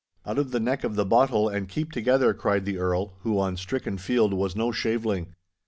'Out of the neck of the bottle, and keep together!' cried the Earl, who on stricken field was no shaveling.